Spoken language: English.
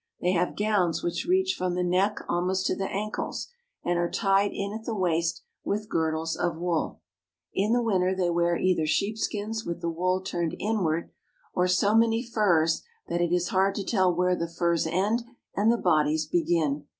They have gowns which reach from the neck almost to the ankles, and are tied in at the waist with girdles of wool. In the winter they wear either sheepskins with the wool turned inward, or so many furs that it is hard to tell where the furs end and the bodies begin.